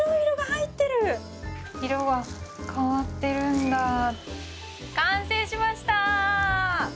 色が変わってるんだぁ。